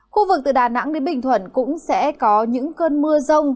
khu vực từ đà nẵng đến bình thuận cũng sẽ có những cơn mưa rông